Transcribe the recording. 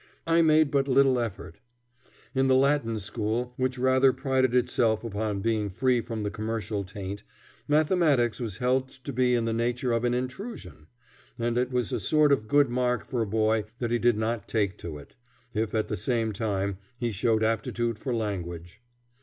I made but little effort. In the Latin School, which rather prided itself upon being free from the commercial taint, mathematics was held to be in the nature of an intrusion, and it was a sort of good mark for a boy that he did not take to it, if at the same time he showed aptitude for language.